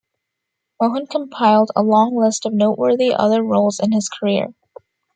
Mohun compiled a long list of noteworthy other roles in his career.